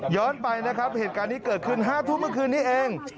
ไปนะครับเหตุการณ์นี้เกิดขึ้น๕ทุ่มเมื่อคืนนี้เอง